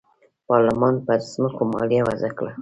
پارلمان پر ځمکو مالیه وضعه کړه.